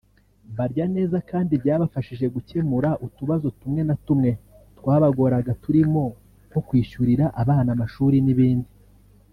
barya neza kandi byabafashije gukemura utubazo tumwe na tumwe twabagoraga turimo nko kwishyurira abana amashuri n’ibindi